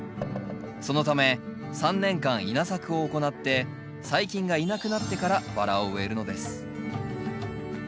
そのため３年間稲作を行って細菌がいなくなってからバラを植えるのです。